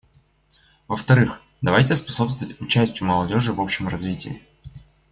Во-вторых, давайте способствовать участию молодежи в общем развитии.